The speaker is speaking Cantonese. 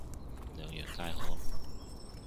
兩樣皆可